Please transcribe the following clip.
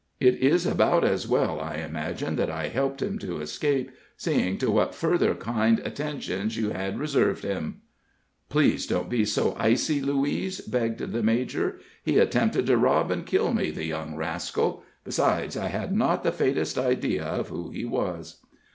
It is about as well, I imagine, that I helped him to escape, seeing to what further kind attentions you had reserved him." "Please don't be so icy, Louise," begged the major. "He attempted to rob and kill me, the young rascal; besides, I had not the faintest idea of who he was."